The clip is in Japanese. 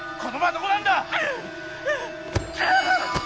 どこなんだ！？